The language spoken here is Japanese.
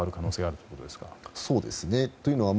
そうですね。